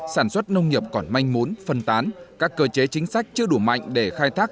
sản xuất nông nghiệp còn manh muốn phân tán các cơ chế chính sách chưa đủ mạnh để khai thác